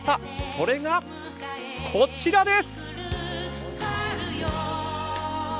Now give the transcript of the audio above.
それがこちらです。